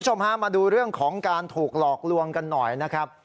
คุณผู้ชมฮะมาดูเรื่องของการถูกหลอกลวงกันหน่อยนะครับ